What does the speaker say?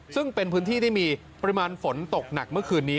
ซึ่งเป็นพื้นที่ที่มีปริมาณฝนตกหนักเมื่อคืนนี้